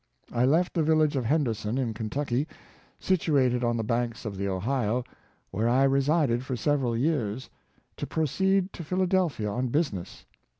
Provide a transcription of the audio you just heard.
I left the village of Henderson, in Kentucky, situated on the banks of the Ohio, where I resided for several years, to proceed to Philadelphia on business.